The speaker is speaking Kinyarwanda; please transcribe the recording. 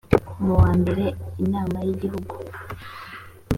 mu wambere inama y igihugu